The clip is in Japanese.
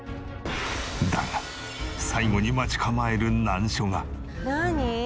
だが最後に待ち構える難所が。